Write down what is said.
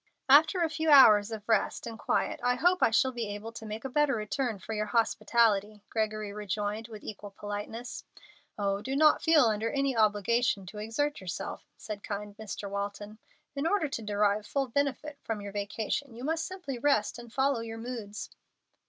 "After a few hours of rest and quiet I hope I shall be able to make a better return for your hospitality," Gregory rejoined, with equal politeness. "Oh, do not feel under any obligation to exert yourself," said kind Mr. Walton. "In order to derive full benefit from your vacation, you must simply rest and follow your moods."